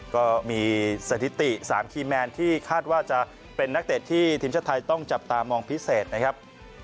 ก็มีสถิติ๓คีย์แมนที่คาดว่าจะเป็นนักเตะที่ทีมชาติไทยต้องจับตามองพิเศษนะครับ